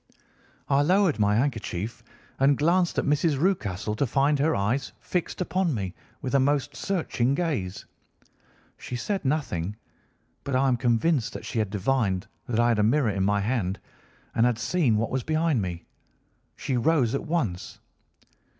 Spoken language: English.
I lowered my handkerchief and glanced at Mrs. Rucastle to find her eyes fixed upon me with a most searching gaze. She said nothing, but I am convinced that she had divined that I had a mirror in my hand and had seen what was behind me. She rose at once.